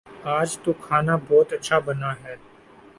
آج تو کھانا بہت اچھا بنا ہے